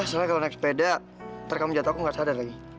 sebenernya kalo naik sepeda ntar kamu jatuh aku gak sadar lagi